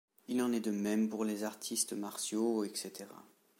Il en est de même pour les artistes martiaux, etc.